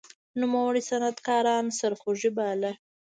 نوموړي صنعتکاران سرخوږی باله.